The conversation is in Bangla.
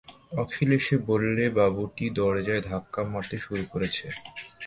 অখিল এসে বললে, বাবুটি দরজায় ধাক্কা মারতে শুরু করেছে।